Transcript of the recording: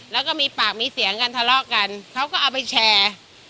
แล้วก็มีปากมีเสียงกันทะเลาะกันเขาก็เอาไปแชร์